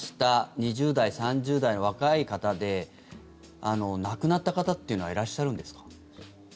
２０代、３０代の若い方で亡くなった方というのはいらっしゃるんですか？